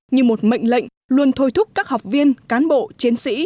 như một mệnh lệnh luôn thôi thúc các học viên cán bộ chiến sĩ